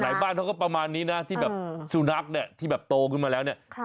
บ้านเขาก็ประมาณนี้นะที่แบบสุนัขเนี่ยที่แบบโตขึ้นมาแล้วเนี่ย